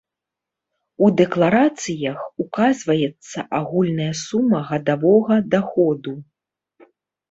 У дэкларацыях указваецца агульная сума гадавога даходу.